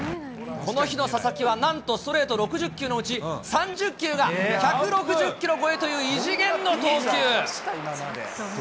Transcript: この日の佐々木はなんとストレート６０球のうち、３０球が１６０キロ超えという異次元の投球。